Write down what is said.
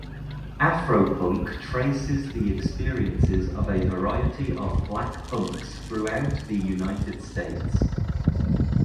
"AfroPunk" traces the experiences of a variety of black punks throughout the United States.